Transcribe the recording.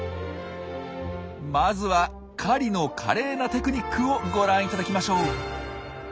まずは狩りの華麗なテクニックをご覧いただきましょう。